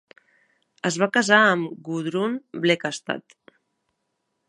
Es va casar amb Gudrun Blekastad.